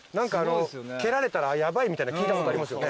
蹴られたらヤバいみたいな聞いたことありますよ。